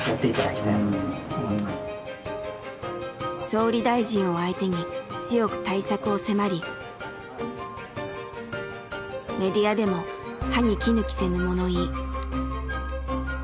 総理大臣を相手に強く対策を迫りメディアでも歯にきぬ着せぬ物言い。